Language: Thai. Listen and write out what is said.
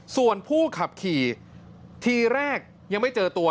ส่วนผู้ขับขี่ทีแรกยังไม่เจอตัว